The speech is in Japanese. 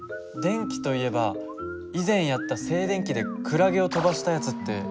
電気といえば以前やった静電気でクラゲを飛ばしたやつって。